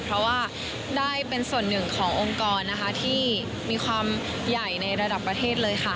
เพราะว่าได้เป็นส่วนหนึ่งขององค์กรนะคะที่มีความใหญ่ในระดับประเทศเลยค่ะ